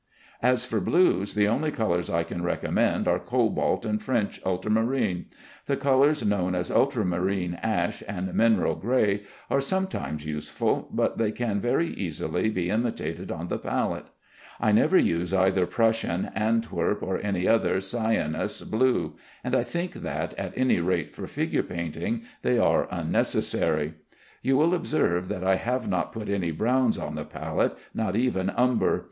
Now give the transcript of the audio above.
As for blues, the only colors I can recommend are cobalt and French ultramarine. The colors known as ultramarine ash and mineral gray are sometimes useful, but they can very easily be imitated on the palette. I never use either Prussian, Antwerp, or any other cyaneous blue; and I think that, at any rate for figure painting, they are unnecessary. You will observe that I have not put any brown on the palette, not even umber.